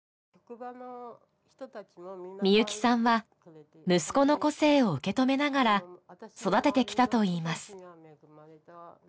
みゆきさんは息子の個性を受け止めながら育ててきたといいます